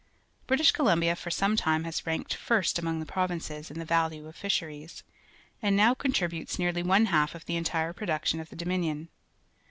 British Columbia for some time has ranked first among the pro^•inces in the value of fisheries, and now contribut es nearh* one half of the entire production of tlie Dominion.